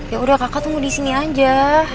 ya udah kakak tunggu di sini aja